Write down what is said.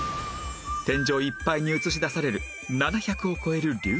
天井いっぱいに映し出される７００を超える流星群